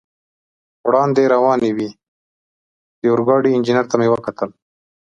وړاندې روانې وې، د اورګاډي انجنیر ته مې وکتل.